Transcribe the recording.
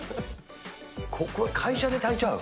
ここ、会社で炊いちゃう？